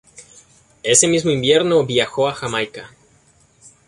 Ese mismo invierno viajó a Jamaica.